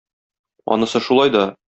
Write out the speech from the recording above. Анысы шулай да...